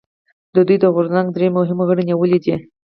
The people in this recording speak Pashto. د دوی د غورځنګ درې مهم غړي نیولي دي